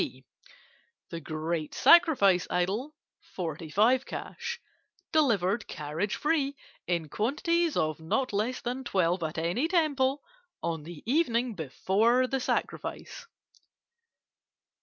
B. The 'Great Sacrifice' idol, forty five cash; delivered, carriage free, in quantities of not less than twelve, at any temple, on the evening before the sacrifice.